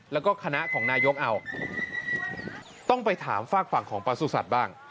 แล้วก็คณะของนายกเอาต้องไปถามฝากฝั่งของประสุทธิ์บ้าง